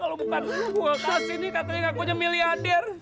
kalo bukan gue kasih nih katanya aku jemiliadir